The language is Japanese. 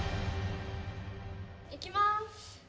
いきます。